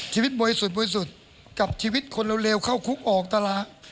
ชีวิตบ่อยสุดกับชีวิตคนเลวเข้าคุกออกตลาด